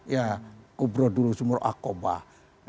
ya kubroh dulu jumroh akobah